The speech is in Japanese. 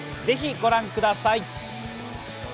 ぜひご覧ください。